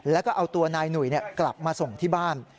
แล้วก็เอาตัวนายหนุ่ยกลับมาส่งที่บ้าน